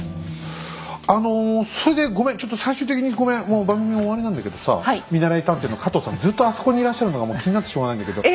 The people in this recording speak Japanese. もう番組終わりなんだけどさ見習い探偵の加藤さんずっとあそこにいらっしゃるのがもう気になってしょうがないんだけど。